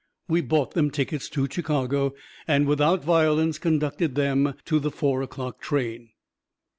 We bought them tickets to Chicago, and without violence conducted them to the Four o'Clock train.